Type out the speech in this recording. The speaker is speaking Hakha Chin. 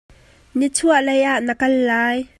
Nichuahlei ah na kal lai.